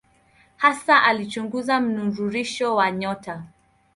Hasa alichunguza mnururisho wa nyota.